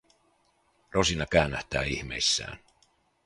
Rosina käännähtää ihmeissään.